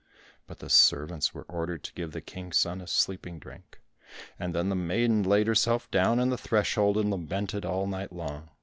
But the servants were ordered to give the King's son a sleeping drink, and then the maiden laid herself down on the threshold and lamented all night long.